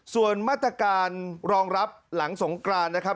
ส่วนมาตรการรองรับหลังสงกรานนะครับ